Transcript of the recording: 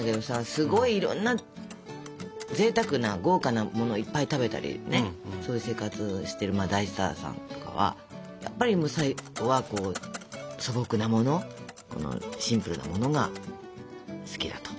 すごいいろんなぜいたくな豪華なものいっぱい食べたりそういう生活をしてる大スターさんとかはやっぱり最後は素朴なものシンプルなものが好きだと。